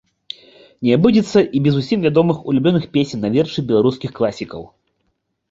Не абыдзецца і без усім вядомых улюбёных песень на вершы беларускіх класікаў.